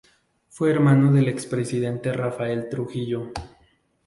Fue hermano del expresidente Rafael Trujillo.